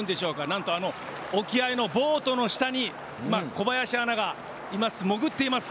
なんと、あの沖合のボートの下に小林アナがいます。